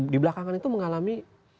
di belakangan itu mengalami